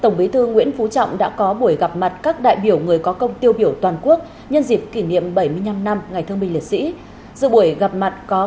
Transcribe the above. đồng chí lê minh hưng bí thư trung ương đảng chánh văn phòng trung ương đảng